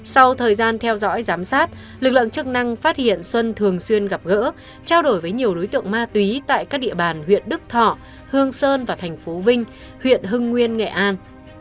sau thời gian theo dõi giám sát lực lượng chức năng phát hiện xuân thường xuyên gặp gỡ trao đổi với nhiều đối tượng ma túy tại các địa bàn huyện đức thọ hương sơn và thành phố vinh huyện hưng nguyên nghệ an